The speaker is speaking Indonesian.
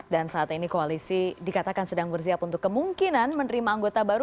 dan saat ini koalisi dikatakan sedang bersiap untuk kemungkinan menerima anggota baru